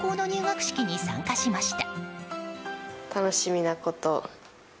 大阪で高校の入学式に参加しました。